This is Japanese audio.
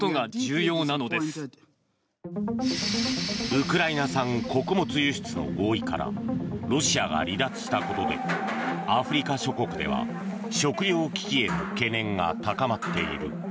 ウクライナ産穀物輸出の合意からロシアが離脱したことでアフリカ諸国では食糧危機への懸念が高まっている。